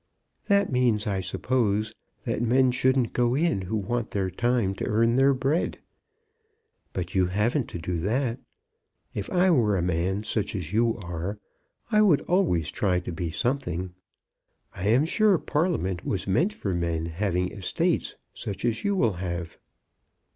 "That means, I suppose, that men shouldn't go in who want their time to earn their bread. But you haven't that to do. If I were a man such as you are I would always try to be something. I am sure Parliament was meant for men having estates such as you will have."